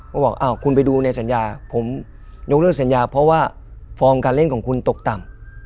ก็บอกอ้าวคุณไปดูในสัญญาผมยกเลิกสัญญาเพราะว่าฟอร์มการเล่นของคุณตกต่ำ